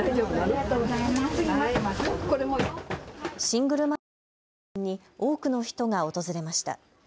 シングルマザーを中心に多くの人が訪れました。